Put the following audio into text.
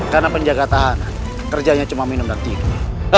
karena penjaga tahanan kerjanya cuma minum dan tidur